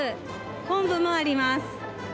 昆布もあります。